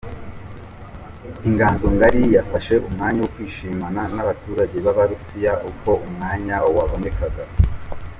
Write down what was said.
Inganzo Ngari ryafashe umwanya wo kwishimana n’abaturage b’Abarusiya uko umwanya wabonekaga.